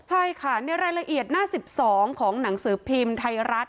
ใช่ค่ะในรายละเอียดหน้า๑๒ของหนังสือพิมพ์ไทยรัฐ